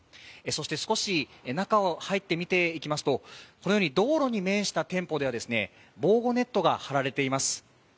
そして少し中を入ってみていきますと、このように道路に面した店舗では防護ネットが張られています。